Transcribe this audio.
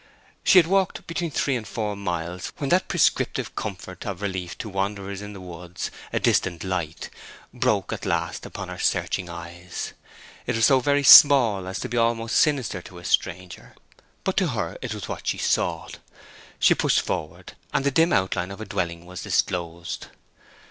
She had walked between three and four miles when that prescriptive comfort and relief to wanderers in woods—a distant light—broke at last upon her searching eyes. It was so very small as to be almost sinister to a stranger, but to her it was what she sought. She pushed forward, and the dim outline of a dwelling was disclosed.